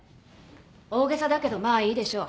大げさだけどまあいいでしょう。